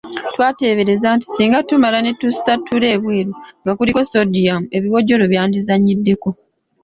Twateebereza nti singa tumala ne tussa ttule ebweru nga kuliko soodiyamu, ebiwojjolo byandizannyiddeko.